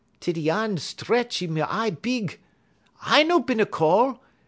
Titty Ann 'tretch 'e y eye big: "'I no bin a call.